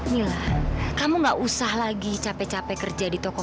mila kamu gak usah lagi capek capek kerja di toko